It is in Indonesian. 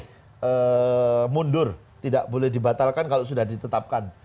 tapi mundur tidak boleh dibatalkan kalau sudah ditetapkan